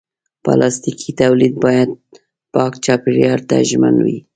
پلاستيکي تولید باید پاک چاپېریال ته ژمن وي.